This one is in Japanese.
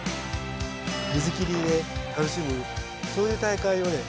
水切りで楽しむそういう大会をね